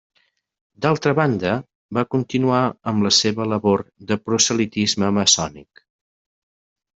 D'altra banda, va continuar amb la seva labor de proselitisme maçònic.